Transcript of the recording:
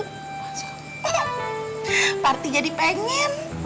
masya allah party jadi pengen